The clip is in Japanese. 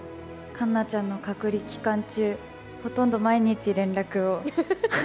環奈ちゃんの隔離期間中、ほとんど毎日連絡を。